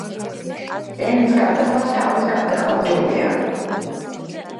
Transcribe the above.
ენის გატეხვას თავის გატეხვა ჯობია